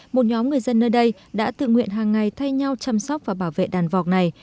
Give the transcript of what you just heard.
một nhóm người dân nơi đây đã tự nguyện hàng ngày thay nhau chăm sóc và bảo vệ đàn vọc này